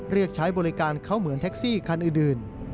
เรียกใช้บริการเขาเหมือนแท็กซี่คันอื่น